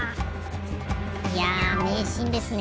いやめいシーンですね。